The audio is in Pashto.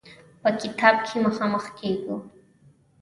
په کتاب کې مخامخ کېږو.